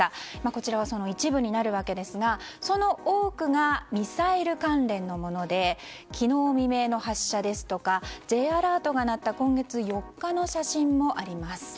こちらはその一部になるわけですがその多くがミサイル関連のもので昨日未明の発射ですとかＪアラートが鳴った今月４日の写真もあります。